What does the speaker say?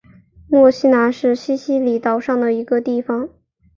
墨西拿是西西里岛上的一个地方。